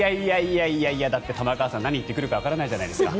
だって玉川さん何言ってくるかわからないじゃないですか。